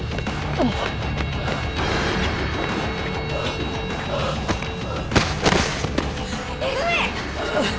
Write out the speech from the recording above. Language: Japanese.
ああっ泉！